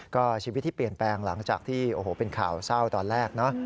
ก็ชีวิตที่เปลี่ยนแปลงหลังจากที่โอ้โหเป็นข่าวเศร้าตอนแรกเนอะ